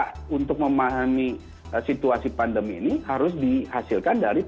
yang dimana peta untuk memahami situasi pandemi ini harus dihasilkan dari peta